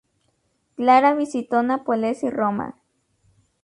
Clara visitó Nápoles y Roma.